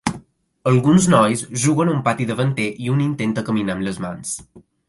Alguns nois juguen a un pati davanter i un intenta caminar amb les mans.